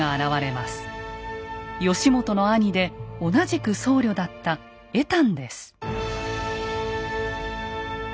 義元の兄で同じく僧侶だった恵探です。